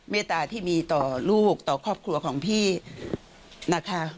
เมตตาที่มีต่อลูกต่อครอบครัวของพี่นะคะ